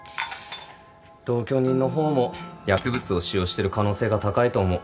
同居人の方も薬物を使用している可能性が高いと思う。